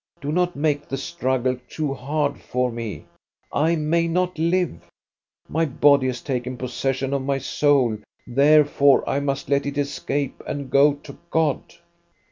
Do not make the struggle too hard for me ! I may not live. My body has taken possession of my soul, therefore I must let it escape and go to God."